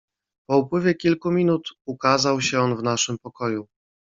"Po upływie kilku minut ukazał się on w naszym pokoju."